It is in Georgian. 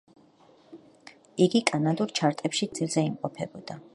იგი კანადურ ჩარტებში წელიწადზე მეტი ხნის მანძილზე იმყოფებოდა.